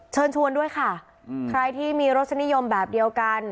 เชิญชวนด้วยค่ะใครที่มีรสนิยมแบบเดียวกัน